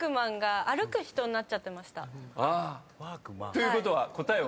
ということは答えは？